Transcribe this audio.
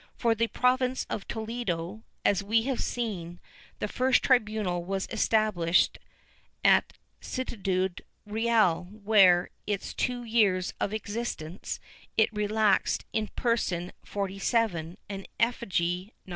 For the province of Toledo, as we have seen, the first tribunal was estalDlished at Ciudad Real where, in its two years of existence, it relaxed in person 47 and in effigy 98.